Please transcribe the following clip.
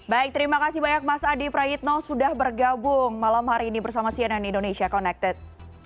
baik terima kasih banyak mas adi prayitno sudah bergabung malam hari ini bersama cnn indonesia connected